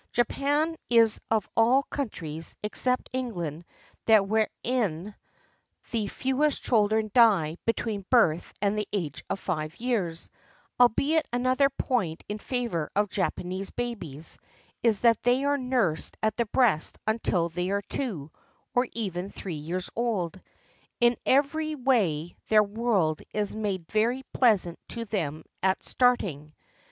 Japan is of all countries, except England, that wherein the 467 JAPAN fewest children die between birth and the age of five years, albeit another point in favor of Japanese babies is that they are nursed at the breast until they are two, or even three years old. In every way their world is made very pleasant to them at starting.